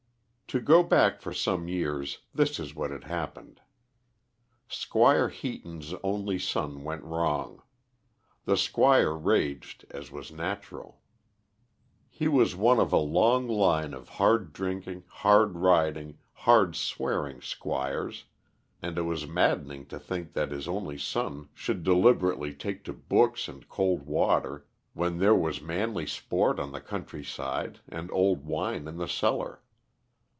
To go back for some years, this is what had happened. Squire Heaton's only son went wrong. The Squire raged, as was natural. He was one of a long line of hard drinking, hard riding, hard swearing squires, and it was maddening to think that his only son should deliberately take to books and cold water, when there was manly sport on the country side and old wine in the cellar.